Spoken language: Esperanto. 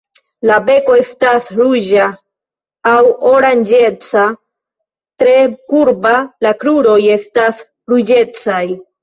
La beko estas ruĝa aŭ oranĝeca, tre kurba, la kruroj estas ruĝecaj.